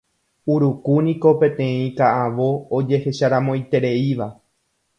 Urukúniko peteĩ ka'avo ojehecharamoitereíva